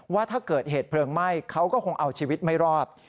ว่าถ้าเกิดเหตุเพลิงไหม้เขาก็คงเอาชีวิตไม่รอด